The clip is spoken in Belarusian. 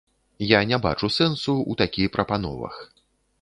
Я не бачу сэнсу ў такі прапановах.